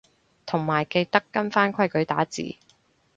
同埋記得跟返規矩打字